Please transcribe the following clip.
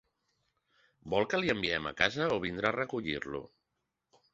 Vol que li enviem a casa o vindrà a recollir-lo?